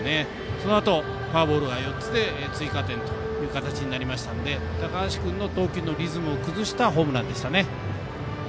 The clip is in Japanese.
そのあとフォアボールがあって追加点という形になりましたので高橋君の投球のリズムを崩したホームランでしたね。